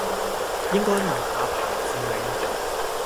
應該問下彭志銘